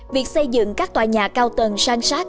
việc xây dựng các tòa nhà cao tầng sang sát